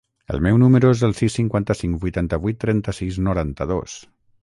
El meu número es el sis, cinquanta-cinc, vuitanta-vuit, trenta-sis, noranta-dos.